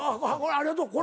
ありがとう。